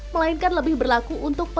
melainkan lebih berlaku untuk penutup ponsel